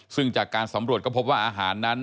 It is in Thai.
ซึ่งจากการสำรวจก็พบว่าอาหารนั้น